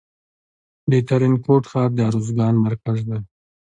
د ترینکوټ ښار د ارزګان مرکز دی